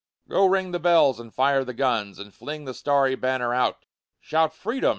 Go, ring the bells and fire the guns, And fling the starry banner out; Shout "Freedom!"